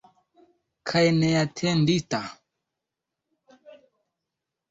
Kaj neatendita.